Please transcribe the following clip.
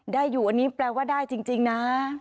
ได้อยู่อันนี้แปลว่าได้จริงนะ